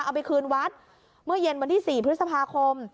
เอาไปคืนวัดเมื่อเย็นวันที่๔พฤษภาคม